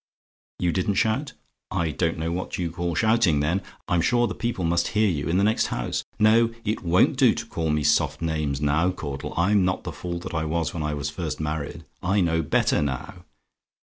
"YOU DIDN'T SHOUT? "I don't know what you call shouting, then! I'm sure the people must hear you in the next house. No it won't do to call me soft names, now, Caudle: I'm not the fool that I was when I was first married I know better now.